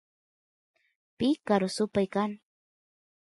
picaru supay kan